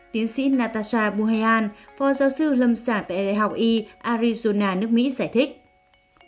tiến sĩ natasha buhean pho giáo sư lâm sản tại đại học e arizona nước mỹ giải thích